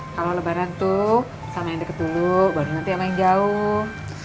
kalau lebaran tuh sama yang deket dulu baru nanti sama yang jauh